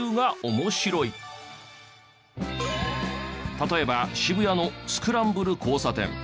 例えば渋谷のスクランブル交差点。